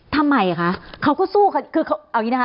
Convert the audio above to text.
ทำไมคะเขาก็สู้ค่ะ